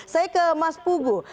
saya ke mas pugu